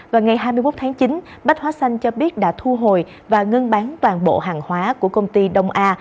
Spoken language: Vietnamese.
vào ngày hai mươi một tháng chín bách hóa xanh cho biết đã thu hồi và ngưng bán toàn bộ hàng hóa của công ty đông a